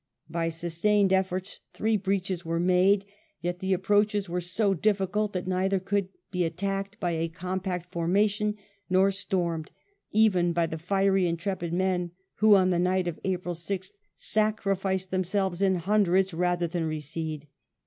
By sustained efforts three breaches were made ; yet the approaches were so difficult that neither could be attacked by compact formations nor stormed, even by the fiery intrepid men who on the night of April 6th sacrificed themselves in hundreds rather than recede.